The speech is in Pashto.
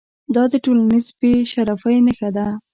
دا د ټولنیز بې شرفۍ نښه ده.